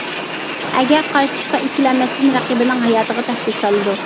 ئەگەر قارىشى چىقسا ئىككىلەنمەستىن رەقىبىنىڭ ھاياتىغا تەھدىت سالىدۇ.